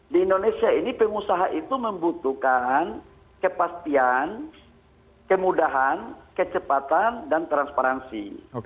di indonesia ini pengusaha itu membutuhkan kepastian kemudahan kecepatan dan transparansi